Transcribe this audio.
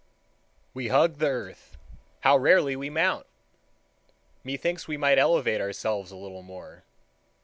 We hug the earth—how rarely we mount! Methinks we might elevate ourselves a little more.